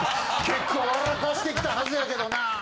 結構笑かしてきたはずやけどな。